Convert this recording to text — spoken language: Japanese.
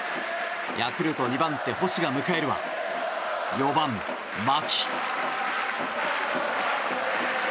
ヤクルト２番手、星が迎えるは４番、牧。